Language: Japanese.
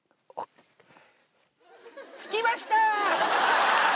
着きました。